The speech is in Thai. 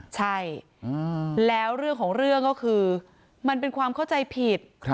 ใช่แล้วเรื่องของเรื่องก็คือมันเป็นความเข้าใจผิด